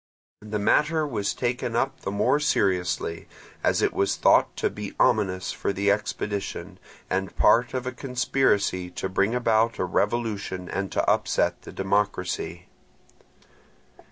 The matter was taken up the more seriously, as it was thought to be ominous for the expedition, and part of a conspiracy to bring about a revolution and to upset the democracy.